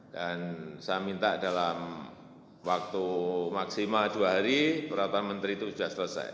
dan saya minta dalam waktu maksimal dua hari peraturan menteri itu sudah selesai